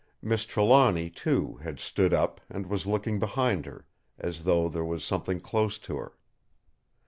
Miss Trelawny, too, had stood up and was looking behind her, as though there was something close to her.